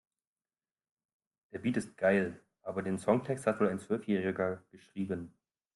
Der Beat ist geil, aber den Songtext hat wohl ein Zwölfjähriger geschrieben.